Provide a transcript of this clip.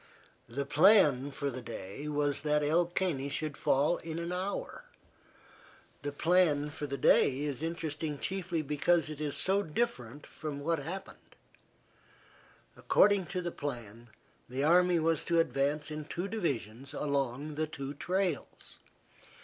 The plan for the day was that El Caney should fall in an hour. The plan for the day is interesting chiefly because it is so different from what happened. According to the plan the army was to advance in two divisions along the two trails.